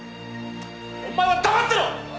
お前は黙ってろ！